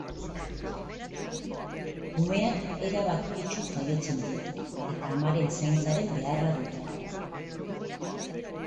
Kumeak erabat itsu jaiotzen dira, eta amaren zaintzaren beharra dute.